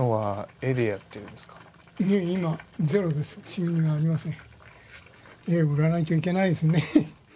絵を売らないといけないですね。